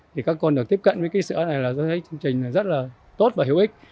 thì các con được tiếp cận với cái sữa này là chương trình rất là tốt và hiệu ích